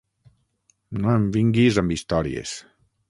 No em vinguis amb històries.